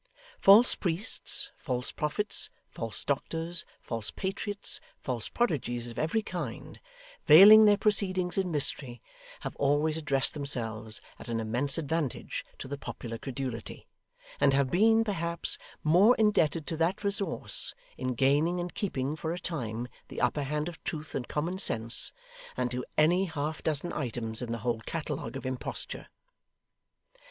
False priests, false prophets, false doctors, false patriots, false prodigies of every kind, veiling their proceedings in mystery, have always addressed themselves at an immense advantage to the popular credulity, and have been, perhaps, more indebted to that resource in gaining and keeping for a time the upper hand of Truth and Common Sense, than to any half dozen items in the whole catalogue of imposture.